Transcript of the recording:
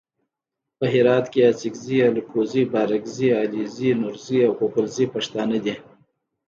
په هرات کې اڅګزي الکوزي بارګزي علیزي نورزي او پوپلزي پښتانه دي.